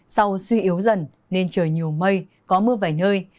sau suy yếu dần nên trời nhiều mây có mưa vài nơi